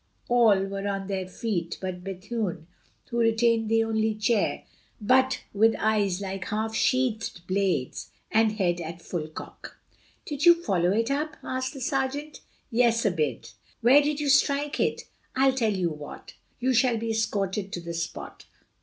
All were on their feet but Bethune, who retained the only chair, but with eyes like half sheathed blades, and head at full cock. "Did you follow it up?" asked the sergeant. "Yes, a bit." "Where did you strike it?" "I'll tell you what: you shall be escorted to the spot."